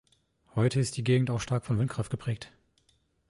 Heute ist die Gegend auch stark von Windkraft geprägt.